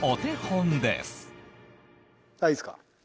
いいですか？